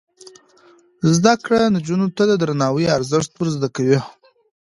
زده کړه نجونو ته د درناوي ارزښت ور زده کوي.